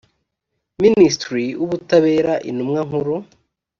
ministry w’ubutabera intumwa nkuru